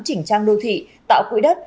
chỉnh trang đô thị tạo quỹ đất